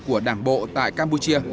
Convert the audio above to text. của đảng bộ tại campuchia